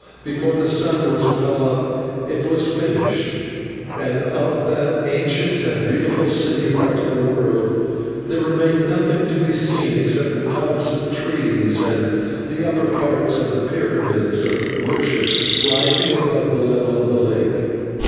Before the sun was well up it was finished, and of that ancient and beautiful city, Heart of the World, there remained nothing to be seen except the tops of trees and the upper parts of the pyramids of worship rising above the level of the lake.